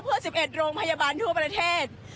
เพื่อ๑๑โรงพยาบาลทั่วประเทศ